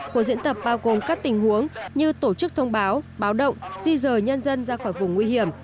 cuộc diễn tập bao gồm các tình huống như tổ chức thông báo báo động di rời nhân dân ra khỏi vùng nguy hiểm